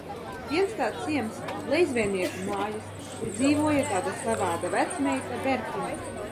"Viens tāds ciems "Lejzveinieku" mājas, kur dzīvoja tāda savāda vecmeita, Bertiņa."